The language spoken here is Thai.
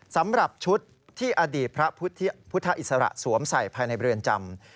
สำหรับชุดที่อดีตพระพุทธอิสระสวมใส่ภายในเรือนจำ